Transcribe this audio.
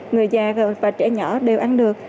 người già và trẻ nhỏ đều ăn được